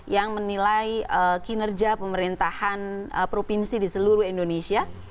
yang menilai kinerja pemerintahan provinsi di seluruh indonesia